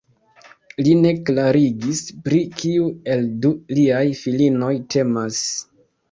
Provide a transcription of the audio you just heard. Li ne klarigis pri kiu el du liaj filinoj temas.